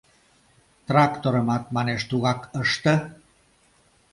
Тракторымат, манеш, тугак ыште.